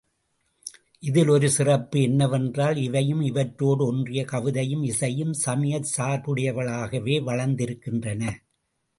இதில் ஒரு சிறப்பு என்னவென்றால் இவையும், இவற்றோடு ஒன்றிய கவிதையும் இசையும் சமயச் சார்புடையவைகளாகவே வளர்ந்திருக்கின்றன.